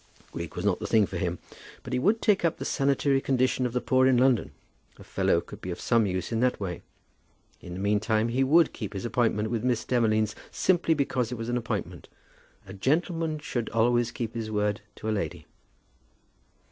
Greek was not the thing for him, but he would take up the sanitary condition of the poor in London. A fellow could be of some use in that way. In the meantime he would keep his appointment with Miss Demolines, simply because it was an appointment. A gentleman should always keep his word to a lady!